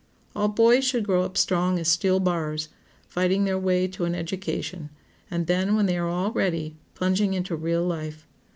All boys should grow up strong as steel bars, fighting their way to an education, and then, when they are all ready, plunging into real life.